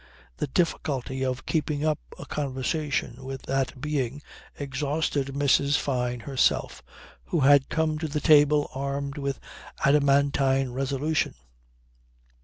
The difficulty of keeping up a conversation with that being exhausted Mrs. Fyne herself, who had come to the table armed with adamantine resolution.